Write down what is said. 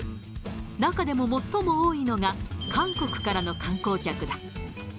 中でも最も多いのが、韓国からの観光客だ。